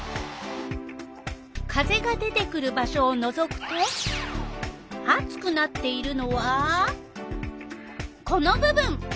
風が出てくる場所をのぞくとあつくなっているのはこの部分。